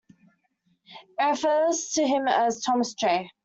It refers to him as Thomas J.